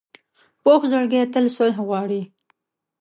پوخ زړګی تل صلح غواړي